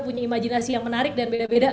punya imajinasi yang menarik dan beda beda